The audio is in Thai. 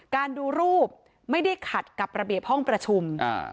ดูรูปไม่ได้ขัดกับระเบียบห้องประชุม